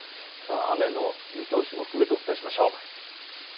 雨の見通しも含めてお伝えしましょう。